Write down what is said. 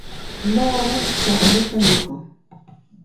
luuru chuqlluta mikun.